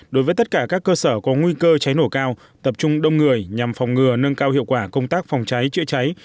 đối với tất cả các cơ sở có nguy cơ cháy nổ cao tập trung đông người nhằm phòng ngừa nâng cao hiệu quả công tác phòng cháy chữa cháy